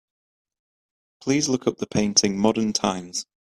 Please look up the painting, Modern times.